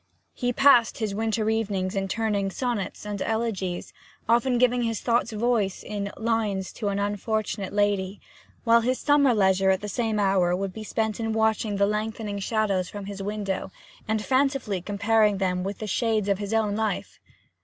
He passed his winter evenings in turning sonnets and elegies, often giving his thoughts voice in 'Lines to an Unfortunate Lady,' while his summer leisure at the same hour would be spent in watching the lengthening shadows from his window, and fancifully comparing them with the shades of his own life.